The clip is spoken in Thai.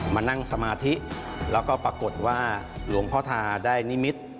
มานั่งสมาธิแล้วก็ปรากฏว่าหลวงพ่อทาได้นิมิตร